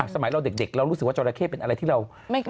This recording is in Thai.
สมัยเราเด็กเรารู้สึกว่าจราเข้เป็นอะไรที่เรา